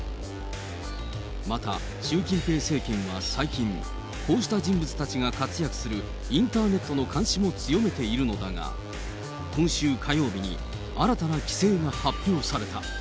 また習近平政権は最近、こうした人物たちが活躍するインターネットの監視も強めているのだが、今週火曜日に、新たな規制が発表された。